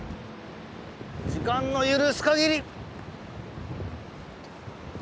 時間の許す限り。